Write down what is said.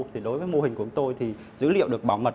thì đối với mô hình của chúng tôi thì dữ liệu được bảo mật